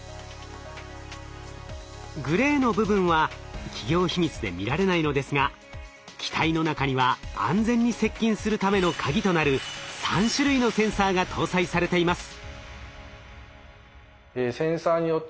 グレーの部分は企業秘密で見られないのですが機体の中には安全に接近するためのカギとなる３種類のセンサーが搭載されています。